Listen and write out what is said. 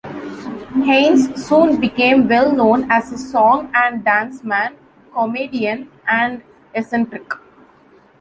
Haines soon became well known as a song-and-dance man, comedian, and eccentric.